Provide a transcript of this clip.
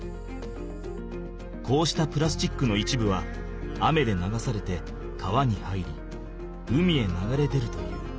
こうしたプラスチックの一部は雨で流されて川に入り海へ流れ出るという。